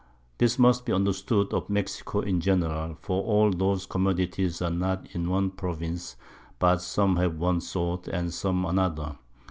This must be understood of Mexico in general; for all those Commodities are not in one Province, but some have one sort and some another.